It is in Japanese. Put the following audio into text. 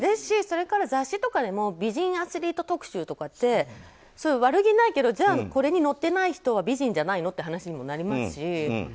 それから雑誌とかでも美人アスリート特集とかって悪気ないけどじゃあこれに載っていない人は美人じゃないの？って話にもなりますし。